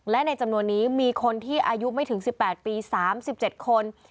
และในจำนวนนี้มีคนที่อายุไม่ถึง๑๘ปี๓๗คน